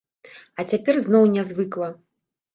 А цяпер зноў нязвыкла.